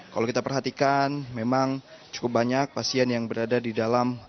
kalau kita perhatikan memang cukup banyak pasien yang berada di dalam